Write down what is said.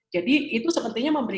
jadi itu sepertinya memberi